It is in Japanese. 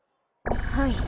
はい。